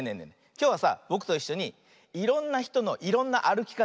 きょうはさぼくといっしょにいろんなひとのいろんなあるきかたをやってみよう。